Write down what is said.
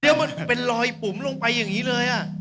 เดี๋ยวมันเป็นรอยปุ๋มลงไปอย่างนี้เลย